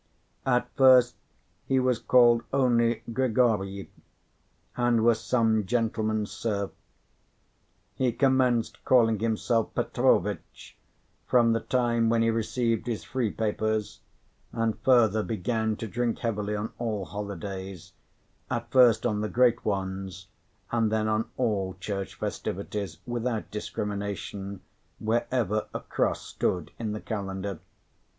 At first he was called only Grigoriy, and was some gentleman's serf; he commenced calling himself Petrovitch from the time when he received his free papers, and further began to drink heavily on all holidays, at first on the great ones, and then on all church festivities without discrimination, wherever a cross stood in the calendar.